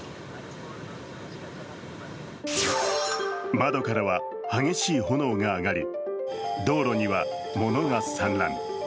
窓からは激しい炎が上がり道路には物が散乱。